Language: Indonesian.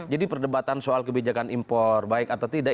jadi perdebatan soal kebijakan impor baik atau tidak